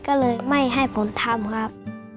ก็เลยไม่ให้ผมทำครับ